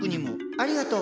ありがとう。